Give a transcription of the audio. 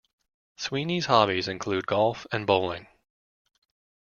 Sweeney's hobbies include golf and bowling.